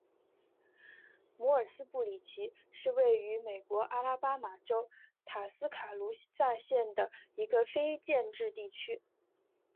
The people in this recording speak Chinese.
摩尔斯布里奇是位于美国阿拉巴马州塔斯卡卢萨县的一个非建制地区。